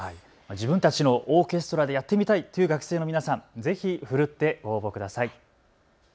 自分たちのオーケストラでやってみたいという学生の皆さん、ぜひ奮ってご応募ください。